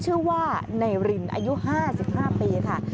ชื่อว่านายรินอายุ๕๕ปีค่ะ